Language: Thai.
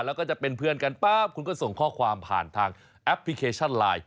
แล้วก็จะเป็นเพื่อนกันปั๊บคุณก็ส่งข้อความผ่านทางแอปพลิเคชันไลน์